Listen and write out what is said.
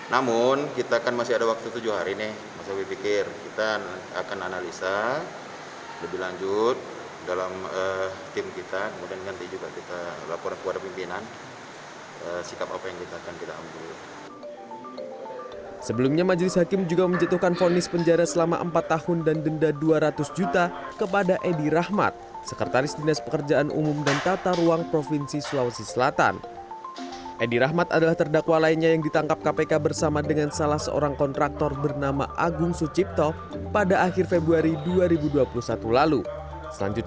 namun kita kan masih ada waktu tujuh hari nih masih berpikir kita akan analisa lebih lanjut